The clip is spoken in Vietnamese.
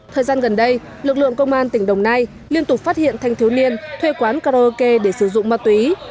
thời gian gần đây lực lượng công an tỉnh đồng nai liên tục phát hiện thanh thiếu niên thuê quán karaoke để sử dụng ma túy